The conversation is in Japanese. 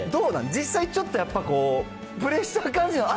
実際ちょっとやっぱり、プレッシャー、感じるの？